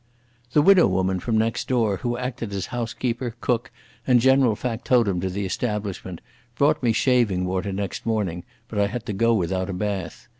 The widow woman from next door, who acted as house keeper, cook, and general factotum to the establishment, brought me shaving water next morning, but I had to go without a bath.